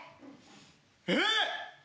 えっ！